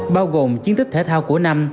bao gồm chiến tích thể thao của năm